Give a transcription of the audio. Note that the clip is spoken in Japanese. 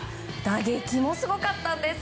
打撃もすごかったんです。